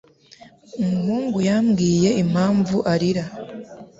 Umuhungu yambwiye impamvu arira.